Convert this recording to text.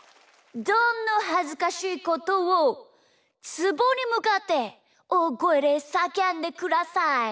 どんのはずかしいことをつぼにむかっておおごえでさけんでください。